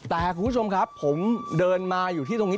แต่คุณผู้ชมครับผมเดินมาอยู่ที่ตรงนี้